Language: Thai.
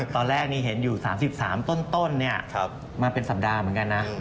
ตอนแรกนี่เห็นอยู่๓๓ต้นมาเป็นสัปดาห์เหมือนกันนะ